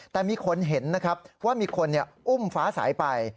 แต่มีคนเห็นนะครับว่ามีคนอุ้มฟ้าสายไป